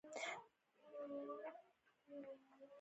هغه د سیکهانو د ځپلو لپاره وو.